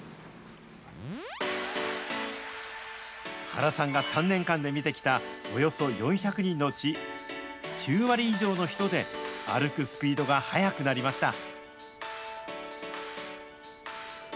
原さんが３年間で診てきた、およそ４００人のうち、９割以上の人で歩くスピードが速くなりました。